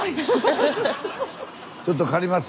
ちょっと借ります。